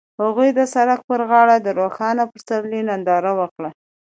هغوی د سړک پر غاړه د روښانه پسرلی ننداره وکړه.